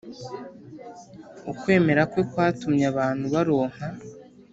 ukwemera kwe kwatumye abantu baronka